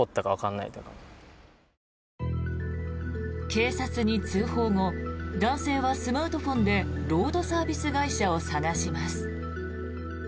警察に通報後男性はスマートフォンでロードサービス会社を探します。